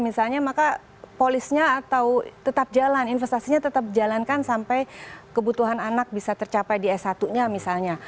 misalnya maka polisnya atau tetap jalan investasinya tetap jalankan sampai kebutuhan anak bisa tercapai di s satu nya misalnya